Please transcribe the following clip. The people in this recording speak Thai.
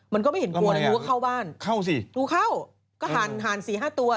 มันก็ไม่เห็นกลัวดูว่าเข้าบ้านเข้าสิดูเข้าก็ห่าน๔๕ตัว